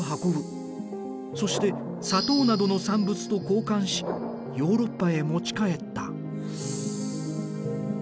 そして砂糖などの産物と交換しヨーロッパへ持ち帰った。